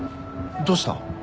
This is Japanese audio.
どうした？